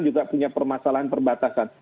juga punya permasalahan perbatasan